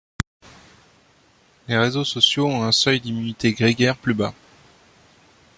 Les réseaux sociaux ont un seuil d'immunité grégaire plus bas.